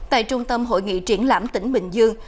tại trung tâm hội nghị triển lãm tỉnh bình dương